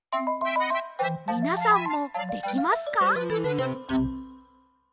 みなさんもできますか？